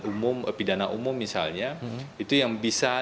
umum pidana umum misalnya itu yang bisa